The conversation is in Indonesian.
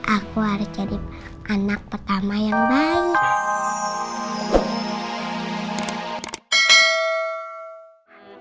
aku harus jadi anak pertama yang baik